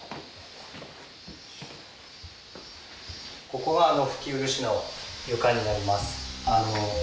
ここが拭き漆の床になります。